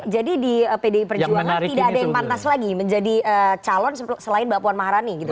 jadi di pdi perjuangan tidak ada yang pantas lagi menjadi calon selain mbak puan maharani gitu